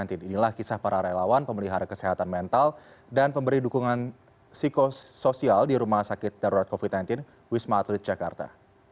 inilah kisah para relawan pemelihara kesehatan mental dan pemberi dukungan psikosoial di rumah sakit darurat covid sembilan belas wisma atlet jakarta